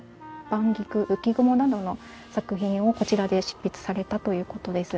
『晩菊』『浮雲』などの作品をこちらで執筆されたという事です。